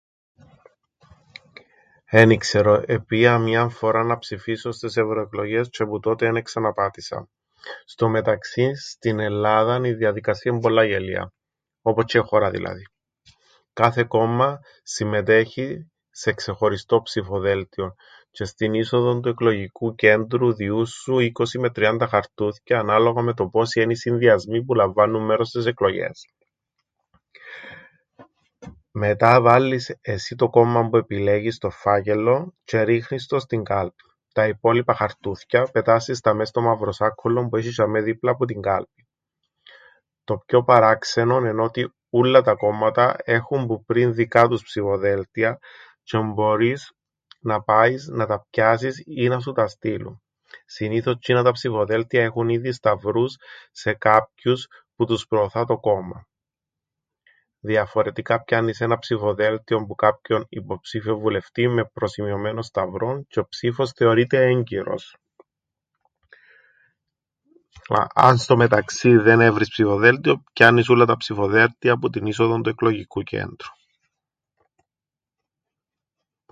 Εν ι-ξέρω, επήα μίαν φοράν να ψηφίσω στες ευρωεκλογές τζ̆αι που τότε εν εξαναπάτησα. Στο μεταξύν, στην Ελλάδαν η διαδικασία εν' πολλά γελοία, όπως τζ̆αι η χώρα δηλαδή. Κάθε κόμμαν, συμμετέχει σε ξεχωριστόν ψηφοδέλτιον, τζ̆αι στην είσοδον του εκλογικού κέντρου διούν σου είκοσι με τριάντα χαρτούθκια ανάλογα με το πόσοι εν' οι συνδυασμοί που λαμβάννουν μέρος στες εκλογ΄ές. Μετά, βάλλεις εσύ το κόμμαν που επιλέγεις στον φάκελλον, τζ̆αι ρίχνεις τον στην κάλπην. Τα υπόλοιπα χαρτούθκια πετάσσεις τα μες στο μαυροσάκκουλλον που έσ̆ει τζ̆ειαμαί δίπλα που την κάλπην. Το πιο παράξενον εν' ότι ούλλα τα κόμματα έχουν που πριν δικά τους ψηφοδέλτια τζ̆αι μπορείς να πάεις να τα πιάσεις ή να σου τα στείλουν. Συνήθως τζ̆είνα τα ψηφοδέλτια έχουν ήδη σταυρούς σε κάποιους που τους προωθά το κόμμαν. Διαφορετικά πιάννεις έναν ψηφοδέλτιον που κάποιον υποψήφιον βουλευτήν με προσημειωμένον σταυρόν τζ̆ι ο ψήφος θεωρείται έγκυρος. Αν στο μεταξύν δεν έβρεις ψηφοδέλτιον, πιάννεις ούλλα τα ψηφοδέλτια που την είσοδον του εκλογικού κέντρου.